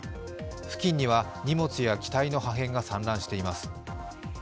付近には、荷物や機体の破片が散乱しています。